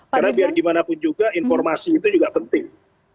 karena biar gimana pun juga informasi itu juga penting